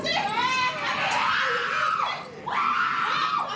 ไอ้แม่ได้เอาแม่ดูนะ